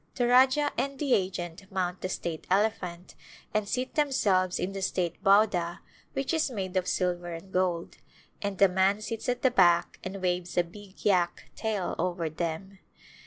The Rajah and the agent mount the state elephant and seat themselves in the state howdah which is made of silver and gold, and a man sits at the back and waves a \i\<^yak tail over them.